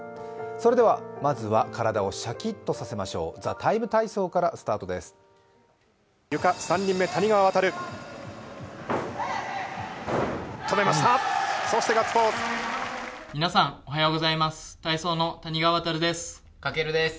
それではまずは体をしゃきっとさせましょう、「ＴＨＥＴＩＭＥ，体操」からスタートです皆さんおはようございます。